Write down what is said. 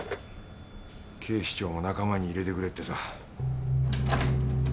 警視庁も仲間に入れてくれってさ。